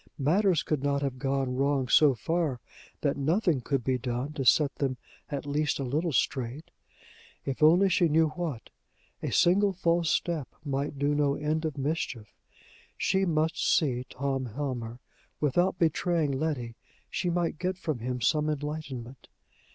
Matters could not have gone wrong so far that nothing could be done to set them at least a little straight! If only she knew what! A single false step might do no end of mischief! She must see Tom Helmer: without betraying Letty, she might get from him some enlightenment.